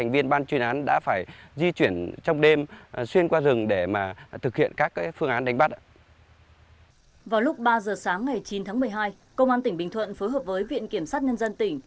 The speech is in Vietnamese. vào lúc ba giờ sáng ngày chín tháng một mươi hai công an tỉnh bình thuận phối hợp với viện kiểm sát nhân dân tỉnh